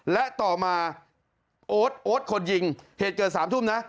และต่อมาโอ๊ตโอ๊ตคนยิงเหตุเกิด๓ทุ่มนะ